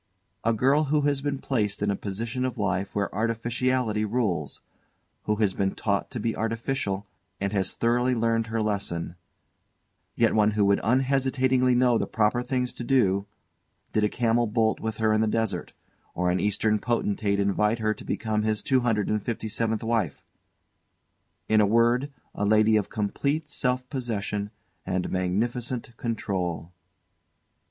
A girl who has been placed in a position of life where artificiality rules, who has been taught to be artificial and has thoroughly learned her lesson; yet one who would unhesitatingly know the proper thing to do did a camel bolt with her in the desert, or an eastern potentate invite her to become his two hundred and fifty seventh wife. In a word, a lady of complete self possession and magnificent control.